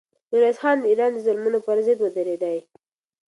میرویس خان د ایران د ظلمونو پر ضد ودرېدی.